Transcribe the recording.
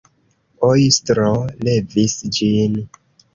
Ojstro levis ĝin.